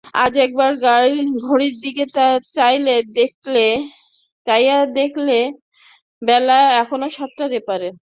আজ একবার ঘড়ির দিকে চাইলে, দেখলে, বেলা এখনো সাতটার এ পারেই।